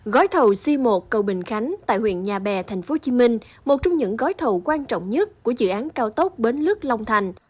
gói thầu c một cầu bình khánh tại huyện nhà bè tp hcm một trong những gói thầu quan trọng nhất của dự án cao tốc bến lước long thành